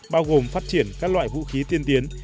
bao gồm phát triển các loại vũ khí tiên tiến